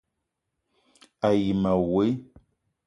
A yi ma woe :